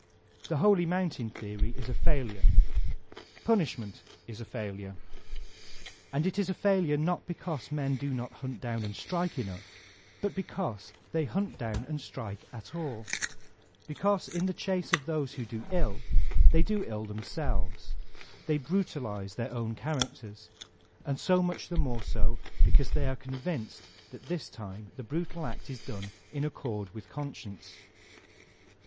The holy mountain theory is a failure. Punishment is a fail ure. And it is a failure not because men do not hunt down and strike enough, but because they hunt down and strike at all; because in the chase of those who do ill, they do ill themselves; they brutalize their own char acters, and so much the more so because they are con vinced that this time the brutal act is done in accord with conscience.